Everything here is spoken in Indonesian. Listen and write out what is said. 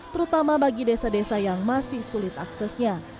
terutama bagi desa desa yang masih sulit aksesnya